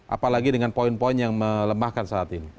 apalagi dengan poin poin yang melemahkan saat ini